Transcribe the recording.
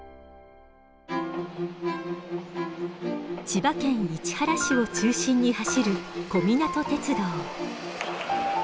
千葉県市原市を中心に走る小湊鉄道。